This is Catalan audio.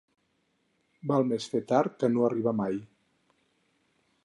Val més fer tard que no arribar mai.